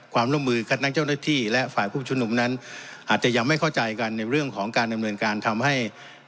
ความร่วมมือกับนักเจ้าหน้าที่และฝ่ายผู้ชุมนุมนั้นอาจจะยังไม่เข้าใจกันในเรื่องของการดำเนินการทำให้